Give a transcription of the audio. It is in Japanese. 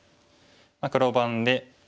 黒番で。